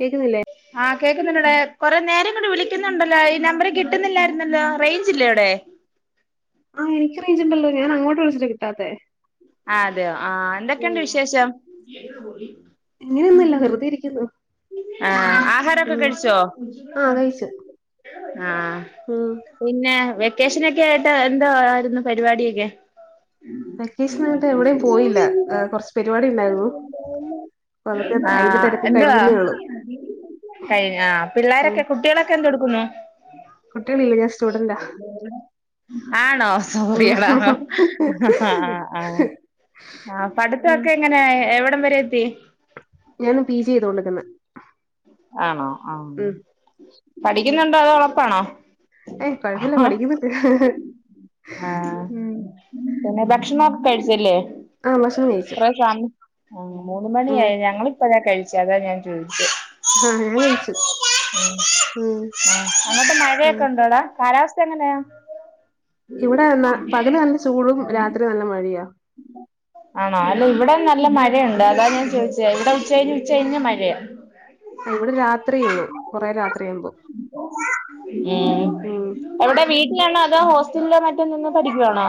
കേക്കുന്നില്ലേ ആഹ കേൾക്കുന്നണ്ട്ടെ കൊറെ നേരം കൊണ്ട് വിളിക്കുന്നുണ്ടല്ലോ ഈ നമ്പര് കിട്ടുന്നില്ലായിരുന്നല്ലോ റേഞ്ച് ഇല്ലേ ഇവിടെ ആഹ എനിക്ക് റേഞ്ച് ഉണ്ടല്ലോ ഞാൻ അങ്ങോട്ട്‌ വിളിച്ചിട്ട കിട്ടാതെ ആ അതെയോ ആഹ എന്തൊക്കെയുണ്ട് വിശേഷം അങ്ങനെയൊന്നുമില്ല വെറുതെ ഇരിക്കുന്നു ആഹ ആഹാരമൊക്കെ ഉം കഴിച്ചോ ആ കഴിച്ചു ആഹ ഉം പിന്നെ വെക്കേഷനൊക്കെ ആയിട്ട് എന്തോ ആരുന്നു പരിപാടിയൊക്കെ [inaudible] വെക്കേഷൻ ആയിട്ട് എവിടെയും പോയില്ല ആ, കുറച്ച് പരിപാടി ഉണ്ടായിരുന്നു അപ്പൊ അതൊക്കെ അതിന്റെ ആഹ തിരക്ക് എന്തുവാ ആ കഴിയുന്നേ ഉള്ളൂ കഴിഞ്ഞു ഉം പിള്ളോരൊക്കെ കുട്ടികളൊക്കെ എന്തെടുക്കുന്നു കുട്ടികളില്ല ഞാൻ സ്റ്റുഡന്റ ആണോ ഉം സോറിയടാ ആഹ ആ ഉം പഠിത്തൊക്കെ എങ്ങനെ എവിടം വരെ എത്തി ഞാൻ പി ജി ചെയ്തോണ്ടിരിക്കന്ന് ആണോ ആ പഠിക്കുന്നുണ്ടോ അതോ ഉളപ്പാണോ ഏയ് കുഴപ്പില്ല പഠിക്കുന്നുണ്ട് ആഹ് പിന്നെ ഭക്ഷണം ഒക്ക കഴിച്ചില്ലേ ആ ഭക്ഷണം കഴിച്ചു ഇത്രയും സമയം ആഹ് മൂന്ന് ഉം മണിയായി ഞങ്ങളിപ്പളാ കഴിച്ച അതാ ഞാൻ ചോദിച്ചത് ആഹ ഞാൻ കഴിച്ചു ഉ ഉം ആ അങ്ങോട്ട് ഉം മഴയൊക്കെ ഉണ്ടോ ടാ കാലാവസ്ഥ എങ്ങനെയാ ഇവിടെ പകല് നല്ല ചൂടും രാത്രി നല്ല മഴയാ ആണോ അല്ല ഇവിടെ നല്ല മഴയുണ്ട് അതാ ഞാൻ ചോദിച്ച ഇവിടെ ഉച്ച കയിഞ്ഞ് ഉച്ചകഴിഞ്ഞ് മഴയാണ് ആ ഇവിടെ രാത്രിയ ഉള്ളൂ കൊറെ രാത്രിയാവുമ്പോ ഉം എവിടെ വീട്ടിലാണോ അതോ ഹോസ്റ്റലിലോ മറ്റോ നിന്ന് പഠിക്കുവാണോ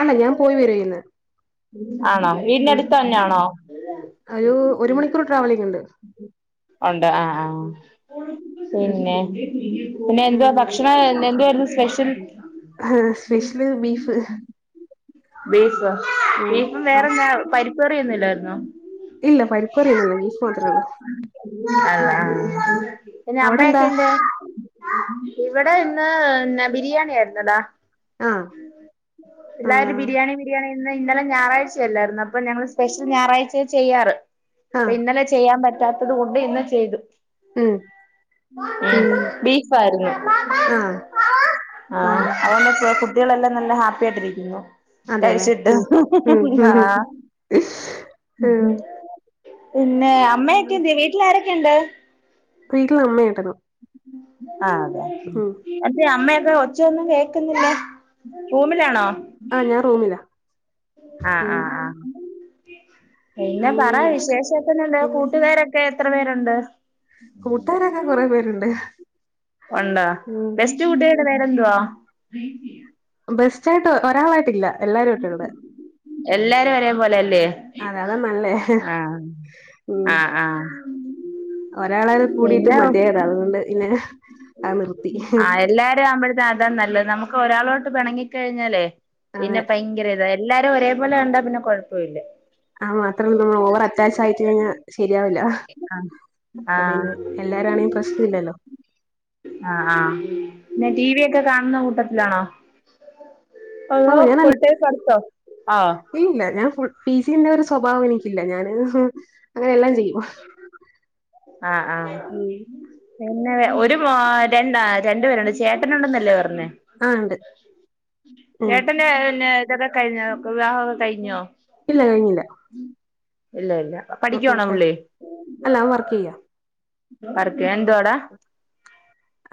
അല്ല ഞാൻ പോയി വരുവ ചെയ്യുന്ന ആണോ വീടിന്റെ അടുത്ത് തന്നെയാണോ ഒരു ഒരു മണിക്കൂർ ട്രാവലിംഗ ഉണ്ട് ഉണ്ട് ആഹ ആഹ പിന്നെ പിന്നെ എന്തുവാ ഭക്ഷണം എന്തുവായിരുന്നു സ്പെഷ്യൽ ആഹ് സ്പെഷ്യല് ബീഫ് ബീഫ് ഉം ബീഫും ആഹ് വേറെന്നാ പരിപ്പ്കറി ഒന്നും ഇല്ലായിരുന്നോ ഇല്ല പരിപ്പകറിയൊന്നുല്ല ബീഫ് മാത്രേള്ളോ ആഹ് ആഹ് പിന്നെ അവിടെ അമ്മയൊക്കെ എന്താ എന്തിയെ? ഇവിടെ ഇന്ന് ബിരിയാണി ആയിരുന്നടാ ആഹ് പിള്ളാര് ആഹ് ബിരിയാണി ബിരിയാണി ഇന് ഇന്നലെ ഞായറാഴ്ചയല്ലായിരുന്നോ അപ്പൊ ഞങ്ങള് സ്പെഷ്യൽ ഞായറാഴ്ചയ ചെയ്യാറ് അപ്പോ ആഹ് ഇന്നലെ ചെയ്യാൻ പറ്റാത്തത് കൊണ്ട് ഇന്ന് ചെയ്തു ഉം ഉം ബീഫായിരുന്നു ആഹ് ആഹ് അതുകൊണ്ട് കുട്ടികളെല്ലാം നല്ല ഹാപ്പി ആയിട്ടിരിക്കുന്നു അതെല്ലേ കഴിചിട്ട് ഉം ഉം മ്മ് ആഹ് ഉം പിന്നെ അമ്മയൊക്കെ എന്തിയെ? വീട്ടിൽ ആരൊക്കെയുണ്ട് വീട്ടിൽ ഉമ്മയും ഏട്ടനും ആഹ് അതെ ഉം എന്തിയെഅമ്മയൊക്കെ ഒച്ചയൊന്നും കേൾക്കുന്നില്ലേ റൂമിലാണോ ആഹ് ഞാൻ റൂമിലാ ആഹ് ഉം ആഹ് ആ പിന്നെ പറ അങ്ങനെ വിശേഷത്തന്നെന്ത പിന്നെ കൂട്ടുകാര ക്കെ എത്ര പേരുണ്ട് കൂട്ടുകാരൊക്കെ കൊറെ പേരുണ്ട് ഉണ്ടോ ബെസ്റ്റ് കൂട്ടുകാരുടെ പേരെന്തുവാ ബെസ്റ്റ ആയിട്ട് ഒരാളായിട്ടില്ല എല്ലാരും ആയിട്ട ഉള്ളത് എല്ലാരും ഒരേപോലെ അല്ലേ അതെ അതാ നല്ലേ ആഹ് ആഹ് ആഹ് ഒരാളരെ കൂടിട്ട് പിന്നെ മതിയായതാ അതുകൊണ്ട് പിന്നെ അത് നിർത്തി ആഹ് എല്ലാരും ആവുമ്പോഴത്തേ അതാ നല്ലത് നമുക്ക് ഒരാളോട്ട് പിണങ്ങിക്കഴിഞ്ഞാലേ അതെ പിന്നെ ഭയങ്കര ഇതാ. എല്ലാരും ഒരേപോലെ കണ്ടാ പിന്നെ കുഴപ്പ ഇല്ല ആഹ് മാത്രമല്ല നമ്മൾ ഓവർ അറ്റാച്ച് ആയിട്ട് കഴിഞ്ഞാൽ ശരിയാവില്ല ആഹ് ആഹ് അപ്പപിന്നെ എല്ലാരുംആണെ പ്രശ്ന ഇല്ലല്ലോ ആഹ് ആഹ് ഉം പിന്നെ ടി വി ഒക്കെ കാണുന്ന കൂട്ടത്തിലാണോ? ഓ അതോ ഞാനല്ല ഫുൾ ടൈം പഠിത്തോ ആഹ് ഇല്ല ഞാൻ ഫുൾ പി സിന്റെ ഒരു സ്വഭാവം എനിക്കില്ല ഞാനങ്ങു അങ്ങനെ എല്ലാം ചെയ്യും ആഹ് ആഹ് ഉം പിന്നെ ഒരു ര രണ്ട് പേരുണ്ട് ചേട്ടനുണ്ടെന്നല്ലേ പറഞ്ഞേ ആ ഉണ്ട് ഉം ചേട്ടന്റെ പിന്നെ ഇതൊക്കെ കഴിഞ്ഞോ വിവാഹമൊക്കെ കഴിഞ്ഞോ ഇല്ല കഴിഞ്ഞില്ല ഇല്ല ഇല്ല ഉം ഉം പഠിക്കുവാണോ ക്കെ പുള്ളി അല്ല അവൻ വർക്ക് ചെയ്യുവാ വർക്ക് എന്താവാടെ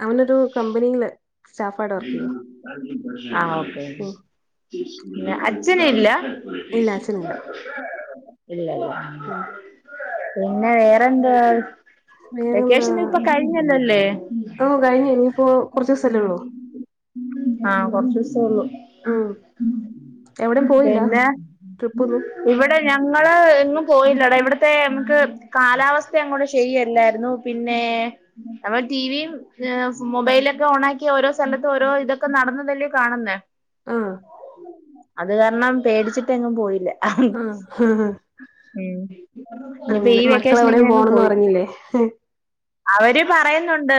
അവനൊരു കമ്പനിയില് സ്റ്റാഫായിട്ട് വർക്ക് ചെയ്യാ ആഹ് ഓകെ ഉം അച്ഛന് ഇല്ല ഇല്ല അച്ഛനില്ല ഇല്ല ഇല്ല മ്മ് പിന്നെ വേറെന്താ വെക്കേഷൻ ഇപ്പോ കഴിഞ്ഞല്ലോല്ലേ ഓഹ് കഴിഞ്ഞ് ഇഞ്ഞ്പ്പോ കാെർച്ച്സല്ലേ ഒള്ളു ആഹ് കൊർച്ചൂസെ ഒള്ളു ഉം എവിടെയും പോയില്ല പിന്നെ ട്രിപ്പൊന്നും ഇവ്ടെ ഞങ്ങെള് എങ്ങും പോയില്ലെടാ ഇവിട്ത്തെ ഞമ്മെക്ക് കാലാവസ്ഥയങ്ങോട്ട് ശെരിയല്ലായ്ര്ന്നു പിന്നേ അപ്പ ടീവിയും മൊബൈലാെക്കെ ഓണാക്കി ഓരോ സ്ഥലത്ത് ഓരോ ഇതൊക്കെ നടെന്നതല്ലേ കാണ്ന്നേ ആ അത് കാര്ണം പേടിച്ചിട്ടെങ്ങും പോയില്ല ആഹ് ഹാ ഹാ ഉം ഇനിപ്പ ഈ മക്കള് എവിടെയും വെക്കേഷെനിങ്ങെനെ അങ്ങ് പോണംന്ന് പോയി പറഞ്ഞില്ലേ അവെര് പറയുന്നുണ്ട്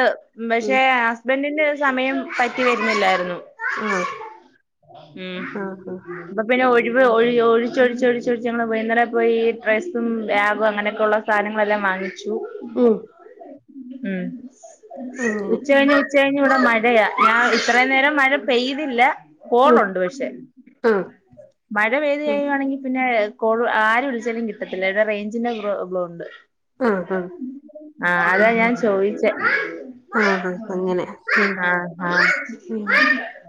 ഉം ഭഷേ ബെന്റിന്റെ സമയം പറ്റി വെര്ന്നില്ലായ്ര്ന്നു ആഹ് ഉം ആഹ് ആഹ് അപ്പൊ പിന്നെ ഒഴിവ് ഒഴി ഒഴിച്ചാെഴിച്ചാെഴിച്ചൊഴിച്ച് ഞങ്ങെള് വൈന്നാരായ പോയി ഡ്രെസ്സും ബേഗും അങ്ങെനെക്കെയുള്ള സാധനങ്ങളെല്ലാം വാങ്ങിച്ചു ഉം ഉം അങ്ങനെ ഉച്ച കഴിഞ്ഞ് ഉച്ച കഴിഞ്ഞ് ഇവിടെ മഴെയാ ഞാൻ ഇത്രേം നേരം മഴ പെയ്തില്ല ഉം കോളുണ്ട് പക്ഷെ ആഹ് മഴ പെയ്ത് ഉം കെയ്യുയാണെങ്കി പിന്നെ കോള് ആര് വിളിച്ചാലും കിട്ടത്തില്ലാ ത് റെയ്ഞ്ചിന്റെ പ്രോപ്ളോ ഉണ്ട് ആഹ് ആഹ് ആഹ് അതാ ഞാൻ ചോയിച്ചേ ആഹ് ആഹ് അങ്ങെനെ ഉം ആഹ് ആഹ് ഉം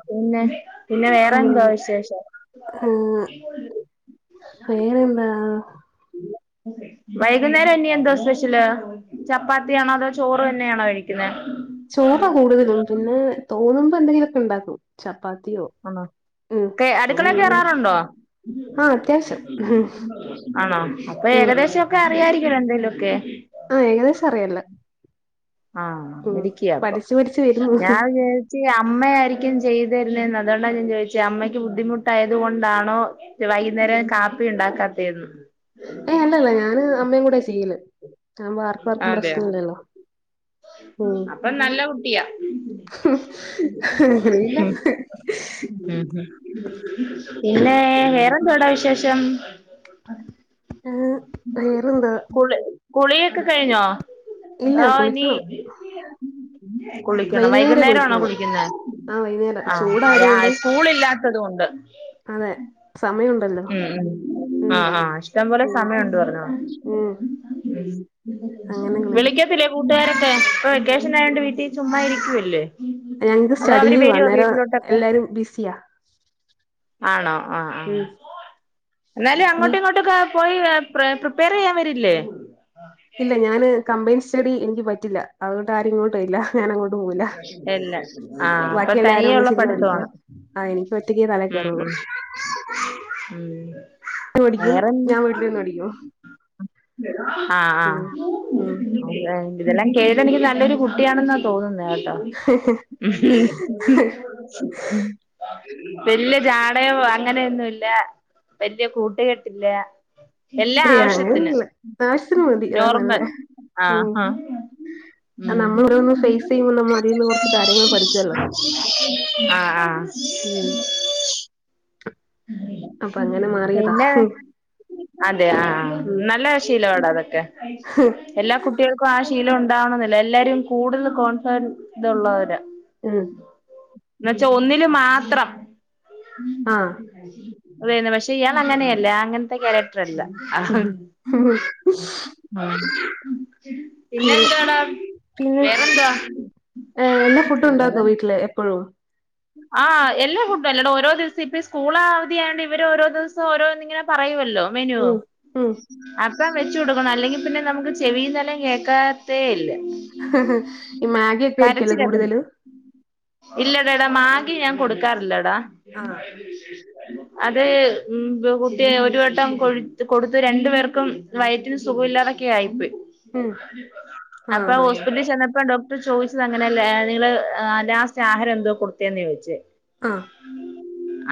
പിന്നെ പിന്നെ വേറെന്തുവാ അങ്ങനെ വിശേഷം ആഹ് വേറെന്താ വൈകുന്നേരം ഇനി എന്താ സ്പെഷ്യെല് ചപ്പാത്ത്യാണോ അതോ ചോറ് തന്നെയാണോ കഴിക്ക്ന്നെ ചോറാ കൂട്തലും പിന്നെ തോന്നുമ്പ എന്തെങ്കിലാെക്കെണ്ടാക്കും ചപ്പാത്തിയോ ആണോ ഉം കേ അങ്ങനെ അട്ക്കളേ എന്തെങ്കിലും കേറാറുണ്ടോ ആഹ് അത്യാവശ്യം ആണോ അപ്പ ഉം ഏകദേശാെക്കെ അറിയായ്രിക്കല്ലോ എന്തേലു ഒക്കെ ആഹ് ഏകദേശറിയെല്ലാം ആഹ് മിടുക്കിയാപ്പം പഠിച്ചു പഠിച്ചു വരുന്നു ഞാൻ വിജാ ര്‌ച്ച് അമ്മയായിരിക്ക്യും ചെയ്ത് തര്ണേന്ന് അതുകൊണ്ടാ ഞാൻ ചോയ്ച്ചേ അമ്മയ്ക്ക് ബുദ്ധിമുട്ടായത് കൊണ്ടാണോ വൈക്ന്നേരം കാപ്പി ഉണ്ടാക്കാത്തേന്ന് ഏഹ് അല്ലല്ലാ ഞാന് അമ്മയും കൂടെയാ ചെയ്യ്ന്നെ അതാവുമ്പം ആർക്കും ആർക്കും അതെയോ പ്രശ്നല്ലല്ലോ അപ്പം നല്ല കുട്ടിയാ ഇല്ലാ ഉം ഉം പിന്നേ വേറെന്തുവാടാ വിശേഷം ആഹ് വേറെന്താ കുള് കുളിയൊക്കെ കഴിഞ്ഞോ ഇല്ല അതോ ഇനീ കുളിക്കണം കുളിക്കണം വൈന്നേരെ വൈക്ന്നേരാണോ കുളിക്കുള്ളൂ കുളിക്ക്ന്നെ ആഹ് വൈന്നേരം ചൂടായത് കൊണ്ട് ആഹ് സ്കൂള് ഇല്ലാത്തത് കൊണ്ട് അതെ സമയം ഉം ഉം ആഹ് ആഹ് ഇഷ്ടം പോലെ ഉം സമയുണ്ട് പറഞ്ഞ ഉം പോലെ അങ്ങനെ കുളിക്കും വിളിക്കത്തില്ലേ കൂട്ടുകാരൊക്കെ ഇപ്പൊ വെക്കേഷനായോണ്ട് വീട്ടി ചുമ്മാ ഇരിക്ക്യുവല്ലേ ഞങ്ങ്ക്ക് സ്റ്റഡിലീവാ അന്നേരം എല്ലാരും ബിസിയാ ആണോ ആഹ് ഉം ആഹ് എന്നാലും വീ അങ്ങോട്ടും ഇങ്ങോട്ടക്കെ പോയി അ പ്രീ പ്രിപ്പയർ ചെയ്യാൻ വരില്ലേ ഇല്ല ഞാന് കംപ്ലയിന്റ് സ്റ്റഡി എനിക്ക് പറ്റില്ല. അതുകൊണ്ട് ആരും ഇങ്ങോ ട്ട് ഇല്ല ഞാൻ അങ്ങോട്ട് പോകില്ല. ഇല്ല ആഹ് അപ്പൊ ബാക്കി എല്ലാരും തനിയെ ഉള്ള ഒന്നിച്ചിരുന്ന് പഠിക്കാം പഠിത്തമാണ് ആഹ് എനിക്ക് ഒറ്റക്ക് തല ഉം കെറോളു ഉം ഉം വര് പഠിക്കും വേറെ ഞാൻ വീട്ടിലിരുന്ന് പഠിക്കും ആഹ് ഉം ഉം ആ ഇതെല്ലാം കേട്ട് എനിക്ക് നല്ലൊരു കുട്ടിയണെന്ന് തോന്നുന്നെട്ടോ ഉം വെല്ല്യായ ജാഡയോ അങ്ങനെയൊന്നുല്ല വെല്യ കൂട്ടുകെട്ടില്ല ഏയ് എല്ലാആവശ്യത്തിന് അങ്ങനൊന്നുല്ല ആവശ്യത്തിന് മതി അതാ നോർമൽ നല്ലേ ആഹ് ഉം ആഹാ ഉം നമ്മൾ ഓരോന്ന് ഫേസ് ആഹ് ചെയ്യുമ്പോ നമ്മൾ അതിൽന്ന് കുറച്ച് കാര്യങ്ങൾ പഠിക്കുവല്ലോ ആഹാ ഉം [inaudible] അപ്പൊ അങ്ങനെ മാറിയതാ പിന്നാ അതെ ആ ആഹാ ഉം നല്ലശീലാട അതൊക്കെ എല്ലാ കുട്ടികൾക്കും ആ ശീലം ഉണ്ടാവണമെന്നില്ല എല്ലാരും കൂടുതൽ കോൺഫഡൻ ഇത് ഉള്ളവര ഉം എന്ന്വെച്ചാ ഒന്നില് മാത്രം ആഹ് അത് തന്നെ പക്ഷെ ഇയാള് അങ്ങനെയല്ല അങ്ങനത്തെ ക്യാ രാക്റ്ററല്ല, അഹ് ആ പിന്നെ അങ്ങനെ എന്തടാ പിന്നെ വേറെന്താ വേറെ ല്ലെ എപ്പോഴും ആഹ് എല്ല ഫുഡും അല്ലാണ്ട്. ഓരോ ദിവസം ഇപ്പോ സ്കൂൾ അവധി ആയോണ്ട് ഇവര് ഓരോ ദിവസം ഓരോന്നിങ്ങനെ പറയുമല്ലോ മെനുവോ ഉം ഉം അപ്പോ വെച്ച് കൊടുക്കണം അല്ലെങ്കി പിന്നെ നമുക്ക് ചെവിയും തലയും കേക്കാത്തേ ഇല്ല ഈ മാഗിയൊക്കെ ആയിരിക്കല്ലോ കൂടുതലും ഇല്ലടേടാ മാഗി ഞാൻ കൊടുക്കാറില്ലേടാ ആഹ് അത് ഉം കുട്ടി ഒരു വട്ടം കൊഴു കൊടുത്ത് രണ്ടു പേർക്കും വയറ്റിന് സുഖയില്ലാതൊക്കെ ആയിപ്പോയി. ഉം അപ്പോ ആഹ് ഹോസ്പിറ്റലിൽ ചെന്നപ്പം ഡോ ട്ടർ ചോദിച്ചത് അങ്ങനെ അല്ല നിങ്ങള് ആഹ് ലാസ്റ്റ് ആഹാരം എന്തോ കൊടുത്തേന്ന് ചോദിച്ച് ആഹ്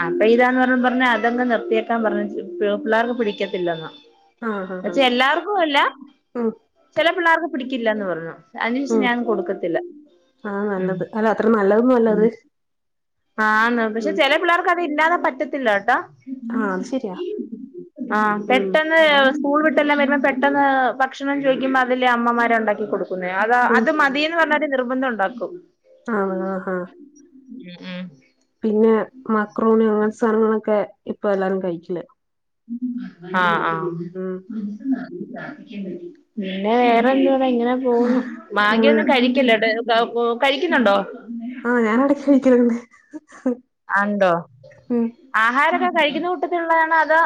അപ്പൊ ഇതാന്ന് പറഞ്ഞപ്പോപറഞ്ഞ് അതങ്ങ് നിർത്തിയേക്കാൻ പറഞ്ഞച്ചു പിള്ളേർക്ക് പിടിക്കത്തില്ലന്ന് ആഹ് ആഹ് ആഹ് ആഹ് പക്ഷെ എല്ലാവർക്കും അല്ല. ഉം ചെല പിള്ളേർക്ക് പിടിക്കില്ലന്ന് പറഞ്ഞു അതിനുഷം ഉം ഞാൻ കൊടുക്കത്തില്ല അതാ ഉം നല്ലത് അല്ല അത്ര നല്ലതൊന്നും അല്ല അത് ആഹ്ന്ന് പക്ഷെ ഉം ചെല പിള്ളേർക്ക് അതില്ലാത പറ്റത്തില്ലട്ടാ ആഹ് അത് ശരിയാ ആഹ് ഉം പെട്ടെന്ന് ന്ന് സ്കൂള് വിട്ടെല്ലാം വരുമ്പോ പെട്ടെന്ന് ഭക്ഷണം ചോയിക്കുമ്പോ അതില് അമ്മമാരെ ഒണ്ടാക്കി കൊടുക്കും ക്കുന്നേ അ ഉം അത് മതിന്ന് പറഞ്ഞലും നിർബന്ധണ്ടാക്കും ആഹ് ആ ആഹ് ഉംഹ് പിന്നെ മക്രോണി അങ്ങനത്തെ സാനങ്ങളൊക്കെ ഇപ്പൊ എല്ലാരും കയിക്കല് ആഹ് ആഹ് ഉം പിന്നെ വേറെന്തട ഇങ്ങനെ പോന്നു. ഉം മാഗിയൊന്നും കഴിക്കല്ലട്ടോ കൊ ക കഴിക്കുന്നുണ്ടോ ആഹ് ഞാനടക്ക് കയിക്കലിണ്ട്. ആ ഇണ്ടോ ആഹാരൊക്കെ കഴിക്കുന്ന കൂട്ടത്തിലുള്ളതാണോ അതോ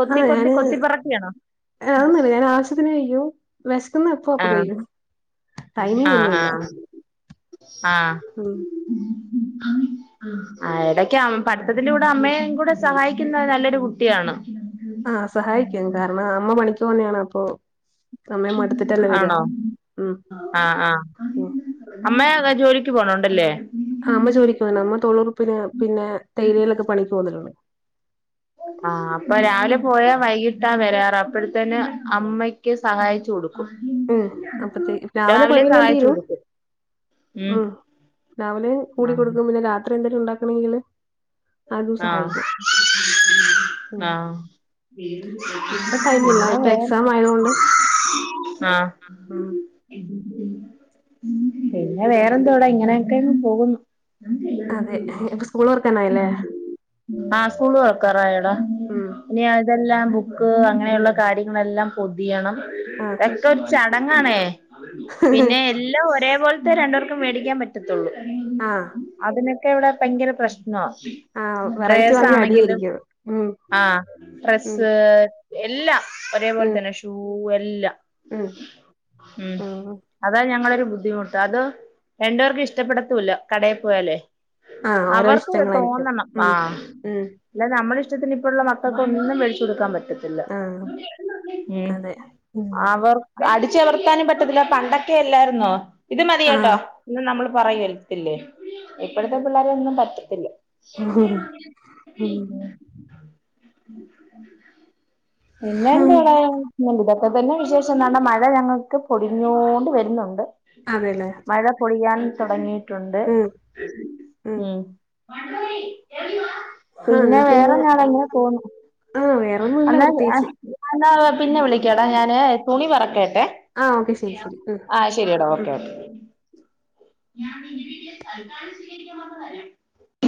കൊത്തി ആഹ് കൊത്തി ഞാന് കൊത്തി പറക്കിയാണോ? പ്പത്തിന് കയ്കു വെശക്ക്‌ന്നെ എപ്പോ അപ്പൊ ആഹ് കഴിക്കു ആഹ് ടൈമിങ്ങൊന്നുല്ല. ആഹ് ആഹ്. ഉം. ഹ. ആ എടക്കെ അം പഠത്തത്തിൻ്റെ അമ്മേയെം കൂടെ സഹായിക്കുന്ന നല്ലൊരു കുട്ടിയാണ്. ആഹ് സഹായിക്കാം കാരണം അമ്മ പണിക്ക് പോന്നെയാണ് അപ്പൊ അമ്മേയം മടുത്തിട്ടല്ലേ വര്വ ആണോ ഉം. ആഹ് ആഹ് ഉം അമ്മേ ജോലിക്ക് പോണോണ്ടല്ലേ? ആഹ് അമ്മ ജോലിക്ക് പോണ്ട് അമ്മ തൊഴിലുറപ്പിന് പിന്നെ തേയിലയിലൊക്കെ പണിക്ക് പോന്നിണ്ട്. ആഹ് അപ്പൊ രാവിലെ പോയാ വൈകിട്ടാ വരാറ് അപ്പഴത്തെന് അമ്മയ്ക്ക് സഹായിച്ചു കൊടുക്കും. ഉം അപ്പത്തെ രാവിലെ പണിയെല്ലാം സഹായിച്ചു തീരും കൊടുക്കും ഉം രാവിലെ കൂടിക്കൊടുക്കു പിന്നെ രാത്രി എന്തേലും ഉണ്ടാക്കണെങ്കില് അതും ആഹ് സഹായിക്കും ഉം ആഹ്. ഇപ്പൊ ടൈം ഇല്ല പിന്ന ഇപ്പൊ വേറെ എക്സാം ആയതുകൊണ്ട് ആഹ്. ഉം പിന്നെ വേറെന്തോട ഇങ്ങനെയൊക്കെങ്ങ് പോകുന്നു. [unintelligible] സ്കൂളോർക്കനായല്ലേ? ഉം ആഹ് സ്കൂള് തെറക്കാറായെടാ ഉം. ഇനി അതെല്ലാം ബുക്ക് അങ്ങനെയുള്ള കാര്യങ്ങളെല്ലാം പൊതിയണം ആഹ് ക്കെ ഒരു ചടങ്ങാണേ പിന്നെ എല്ലോം ഒരേ പോൽത്തെ രണ്ടേർക്കും മേടിക്കാൻ പറ്റ റ്റത്തുള്ളു ആഹ് അതിനൊക്കെ ഇവിടെ പയങ്കര പ്രശ്നാ. ആഹ് വെറൈറ്റി വാങ്ങിയ ഡ്രേയേസാണെങ്കിലും അടിയായിരിക്കും ഉം ആഹ് ഉം ഡ്രസ്സ് എല്ലാം ഒരേ ഉം പോൽതന്നെ ഷൂ എല്ലാം. ഉം. ഉം. ആഹ് അതാ ഞങ്ങളൊരു ബുദ്ധിമുട്ട് അത് രണ്ട് പേർക്കും ഇഷ്ടപ്പെടത്തൂല്ല കടേ പോയാലേ. ആഹ് ഓരോ അവർക്ക് ഇഷ്ടങ്ങളായിരിക്കും തോന്നണം ഉം ആഹ് ഉം. അല്ല നമ്മള ഇഷ്ടത്തിന് ഇപ്പുള്ള മക്കക്കൊന്നു വേടിച്ചുടുക്കാൻ പറ്റത്തി ത്തില്ല ആഹ് ഉം അതെ ഉം അവർ അടിച്ച അമർത്താനും പറ്റത്തില്ല പണ്ടൊക്കെ എല്ലായിരുന്നോ ഇത് മതിയെട്ടോ ആഹ് എന്ന് നമ്മള് പറയ ത്തില്ലേ ഇപ്പഴത്തെ പിള്ളേരൊന്നും പറ്റത്തില്ല. [unintelligible] ഉം ഉം പിന്നെ എന്തുവാടാ യ ഇതൊക്കെ തന്നെ വിശേഷം എന്താ മഴ ഞങ്ങക്ക് പൊടിഞ്ഞോണ്ട് വെരുന്നുണ്ട്. അതെല്ലേ. മഴ പൊളിയാൻ തൊടങ്ങിട്ടുണ്ട് ഉം ഉം. മണ്ടൂരി കേറിവാ. ആഹ് പിന്നെ എന്നാ വേറെന്നാട ഇങ്ങന പോന്നു ആഹ് വേറൊന്നുല്ല അല്ല പ്രത്യേകിച്ച് എന്നാ വാ പിന്നെ വിളിക്കാടാ ഞാന് തുണി പറക്കേട്ടെ ആഹ് ഓക്കെ ശരി ശരി ഉം ആഹ് ശെ ശര്യടാ ഉം ഓക്കെ ഓക്കെ.